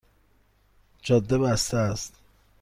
جاده بسته است